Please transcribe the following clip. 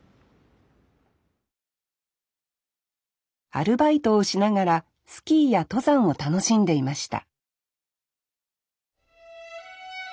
アルバイトをしながらスキーや登山を楽しんでいました